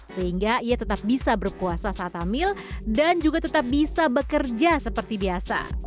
sehingga ia tetap bisa berpuasa saat hamil dan juga tetap bisa bekerja seperti biasa